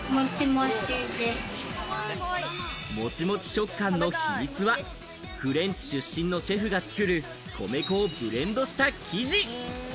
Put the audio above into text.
モチモチ食感の秘密は、フレンチ出身のシェフが作る米粉をブレンドした生地。